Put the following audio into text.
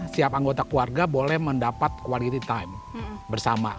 setiap anggota keluarga boleh mendapat quality time bersama